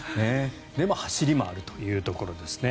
でも、走りもあるというところですね。